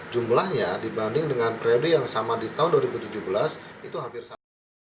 jumlahnya dibanding dengan periode yang sama di tahun dua ribu tujuh belas itu hampir sama